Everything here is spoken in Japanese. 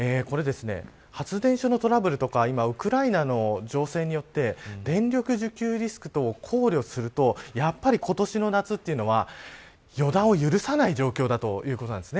発電所のトラブルとか今、ウクライナの情勢によって電力需給リスク等を考慮するとやっぱり今年の夏というのは予断を許さない状況だということです。